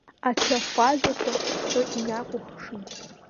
Ачахәажәақәа ҳхы инакәыхшан.